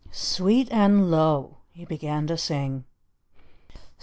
"Sweet and Low" he began to sing.